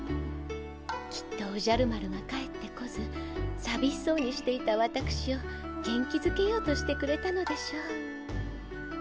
きっとおじゃる丸が帰ってこずさびしそうにしていたわたくしを元気づけようとしてくれたのでしょう。